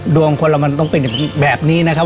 คนเรามันต้องเป็นแบบนี้นะครับ